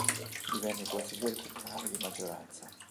Divenne consigliere comunale di maggioranza.